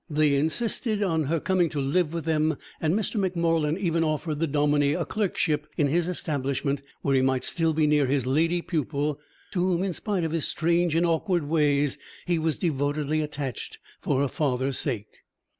They insisted on her coming to live with them and Mr. Mac Morlan even offered the dominie a clerkship in his establishment, where he might still be near his lady pupil, to whom, in spite of his strange and awkward ways, he was devotedly attached for her father's sake.